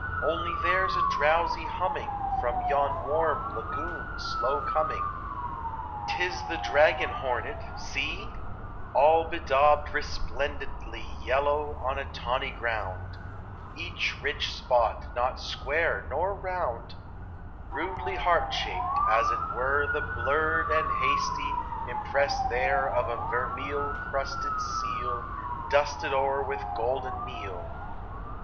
Only there 's a drowsy humming From yon warm lagoon slow coming: >T is the dragon hornet— see ! All bedaubed resplendent ly Yellow on a tawny ground Each rich spot not square nor round, Rudely heart shaped, as it were The blurred and hasty impress there Of a vermeil crusted seal Dusted o'er with golden meal.